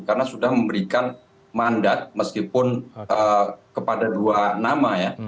karena sudah memberikan mandat meskipun kepada dua nama ya